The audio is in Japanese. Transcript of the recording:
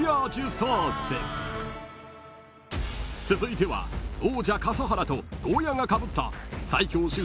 ［続いては王者笠原とゴーヤがかぶった］